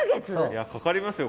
いやかかりますよ